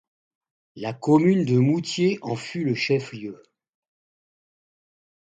La commune de Moutier en fut le chef-lieu.